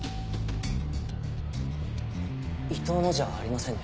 伊藤のじゃありませんね。